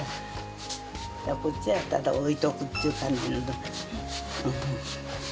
こっちはただ置いとくっていう感じの。